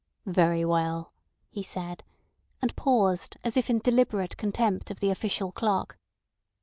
"Very well," he said, and paused, as if in deliberate contempt of the official clock.